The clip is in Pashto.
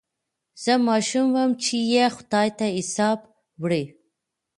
زه ماشوم وم چي یې خدای ته حساب وړی